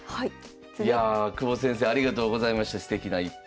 いやあ久保先生ありがとうございましたすてきな逸品。